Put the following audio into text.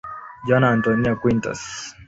Joana Antónia Quintas.